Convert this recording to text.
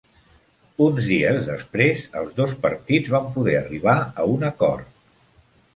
Uns dies després els dos partits van poder arribar a un acord.